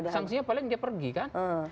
sanksinya paling dia pergi kan